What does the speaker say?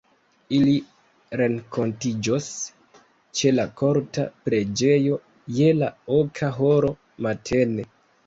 Ili renkontiĝos ĉe la Korta Preĝejo je la oka horo matene.